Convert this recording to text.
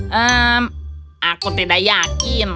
hmm aku tidak yakin